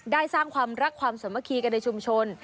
สร้างความรักความสามัคคีกันในชุมชน